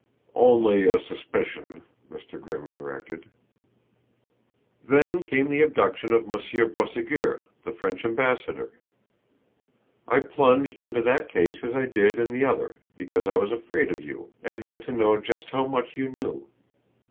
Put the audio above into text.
"Only a suspicion," Mr. Grimm corrected. "Then came the abduction of Monsieur Boisségur, the French ambassador. I plunged into that case as I did in the other because I was afraid of you and had to know just how much you knew.